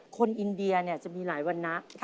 คนอินเดียเนี่ยจะมีหลายวันนะ